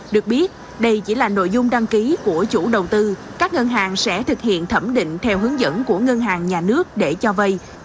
được biết đây chỉ là nội dung đăng ký của chủ đầu tư các ngân hàng sẽ thực hiện thẩm định theo hướng dẫn của ngân hàng nhà nước để cho vay